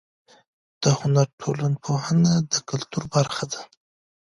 د هنر ټولنپوهنه د کلتور برخه ده.